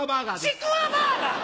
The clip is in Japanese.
ちくわバーガー！